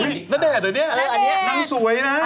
ณเดชน์อันนี้นั่งสวยนะ